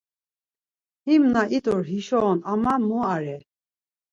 Him na it̆ur hişo on ama mu are?